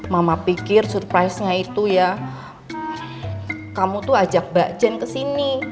mama pikir surprise nya itu ya kamu tuh ajak mbak jen ke sini